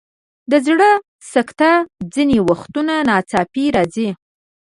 د زړه سکته ځینې وختونه ناڅاپي راځي.